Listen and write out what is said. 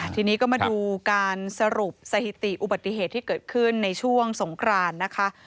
ทีนี้ก็มาดูการสรุปสถิติอุบัติเหตุที่เกิดขึ้นในช่วงสงครานนะคะ